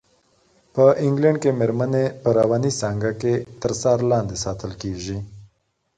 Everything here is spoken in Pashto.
په انګلنډ کې مېرمنې په رواني څانګه کې تر څار لاندې ساتل کېږي.